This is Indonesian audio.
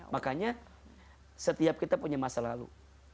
makanya setiap kita punya masa lalu